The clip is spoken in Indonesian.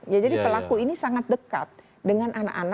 ya jadi pelaku ini sangat dekat dengan anak anak